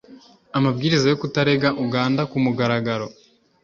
amabwiriza yo kutarega uganda ku mugaragaro.